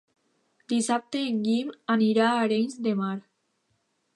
Dissabte en Guim anirà a Arenys de Mar.